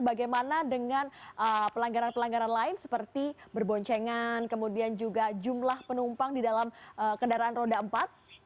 bagaimana dengan pelanggaran pelanggaran lain seperti berboncengan kemudian juga jumlah penumpang di dalam kendaraan roda empat